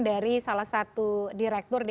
dari salah satu direktur di